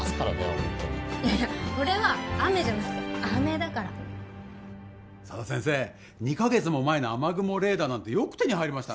ホントにいやいやこれは雨じゃなくて飴だから佐田先生２カ月も前の雨雲レーダーなんてよく手に入りましたね